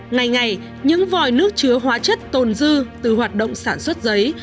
ngày ngày những vòi nước chứa hóa chất tồn dư từ hoạt động sản xuất giấy